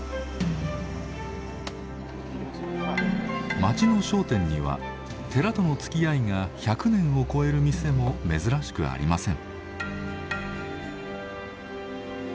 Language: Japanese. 町の商店には寺とのつきあいが１００年を超える店も珍しくありません。